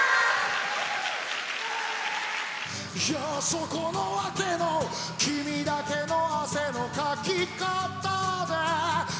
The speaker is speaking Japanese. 「よー、そこの若いの君だけの汗のかき方で」